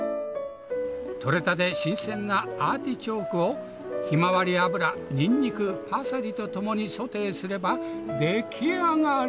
取れたて新鮮なアーティチョークをひまわり油ニンニクパセリとともにソテーすれば出来上がり。